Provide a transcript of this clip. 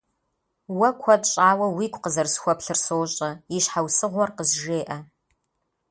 Уэ куэд щӏауэ уигу къызэрысхуэплъыр сощӏэ, и щхьэусыгъуэр къызжеӏэ.